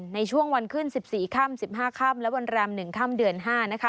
ในช่วงวันขึ้น๑๔ค่ำ๑๕ค่ำและวันแรม๑ค่ำเดือน๕